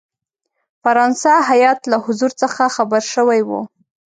فرانسه هیات له حضور څخه خبر شوی وو.